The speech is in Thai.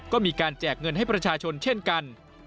ก็มีการแจกเงินให้ประชาชนเช่นกัน